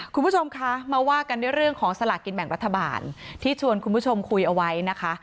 คุณผู้ชมคะมาว่ากันด้วยเรื่องของสลากินแบ่งรัฐบาลที่ชวนคุณผู้ชมคุยเอาไว้นะคะ